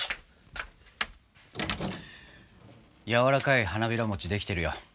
やわらかい花びらもちできてるよ。